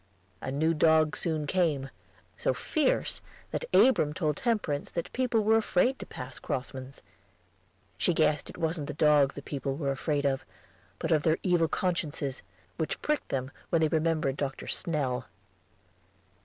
A new dog soon came, so fierce that Abram told Temperance that people were afraid to pass Crossman's. She guessed it wasn't the dog the people were afraid of, but of their evil consciences, which pricked them when they remembered Dr. Snell.